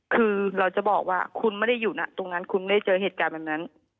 คือเราจะบอกว่าคุณไม่ได้อยู่นะตรงนั้นคุณไม่ได้เจอเหตุการณ์แบบนั้น